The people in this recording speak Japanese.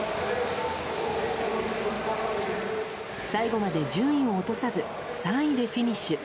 最後まで順位を落とさず３位でフィニッシュ。